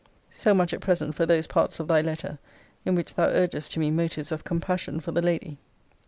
So much at present for those parts of thy letter in which thou urgest to me motives of compassion for the lady.